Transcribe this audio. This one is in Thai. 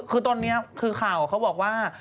คือตอนนี้คือข่าวเขาบอกว่า